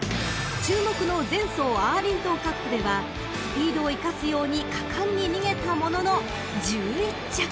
［注目の前走アーリントンカップではスピードを生かすように果敢に逃げたものの１１着］